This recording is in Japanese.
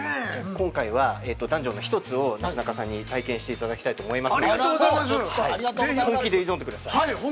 ◆今回はダンジョンの１つをなすなかさんに体験していただきたいと思います。